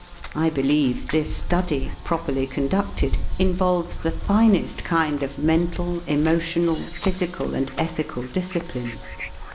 I believe this study, properly con Jf ducted, involves the finest kind of mental, emotional, physical, and ethical discipline.